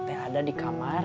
mate ada di kamar